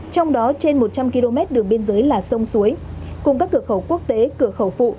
trong đó trên một trăm linh km đường biên giới là sông suối cùng các cửa khẩu quốc tế cửa khẩu phụ